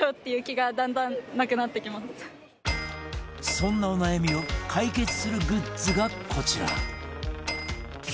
そんなお悩みを解決するグッズがこちら